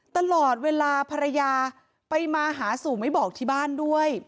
ตลอดเวลาภรรยาไปมาหาสู่ไม่บอกที่บ้านด้วย